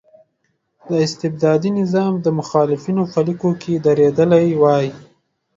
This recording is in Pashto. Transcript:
د استبدادي نظام د مخالفینو په لیکو کې درېدلی وای.